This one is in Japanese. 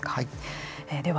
では